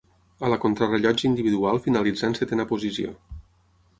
A la contrarellotge individual finalitzà en setena posició.